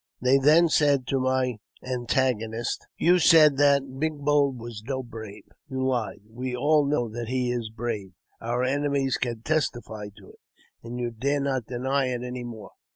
They then said to my antagonist, "You said that 'Big Bowl' was no brave. You lied ; we all know that he is brave ; our enemies can testify to it, and you dare not deny it any more.